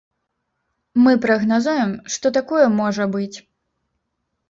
Мы прагназуем, што такое можа быць.